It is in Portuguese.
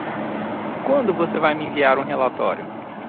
Quando você vai me enviar um relatório?